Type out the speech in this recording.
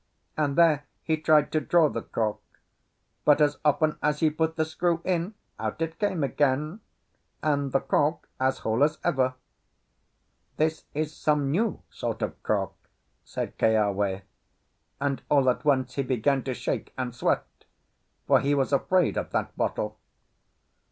And there he tried to draw the cork, but as often as he put the screw in, out it came again, and the cork as whole as ever. "This is some new sort of cork," said Keawe, and all at once he began to shake and sweat, for he was afraid of that bottle.